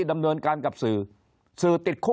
คนในวงการสื่อ๓๐องค์กร